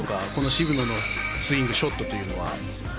渋野のスイングショットというのは。